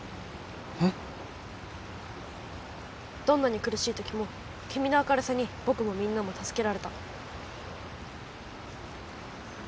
どんなにくるしいときもきみの明るさにぼくもみんなもたすけられた。